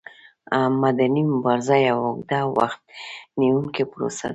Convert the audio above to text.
مدني مبارزه یوه اوږده او وخت نیوونکې پروسه ده.